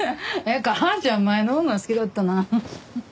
母ちゃん前のほうが好きだったな。